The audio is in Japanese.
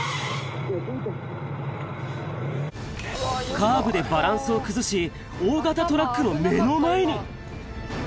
カーブでバランスを崩し、大型トラックの目の前に。